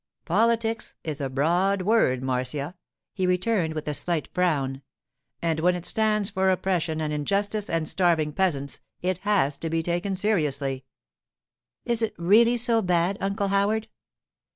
'"Politics" is a broad word, Marcia,' he returned, with a slight frown; 'and when it stands for oppression and injustice and starving peasants it has to be taken seriously.' 'Is it really so bad, Uncle Howard?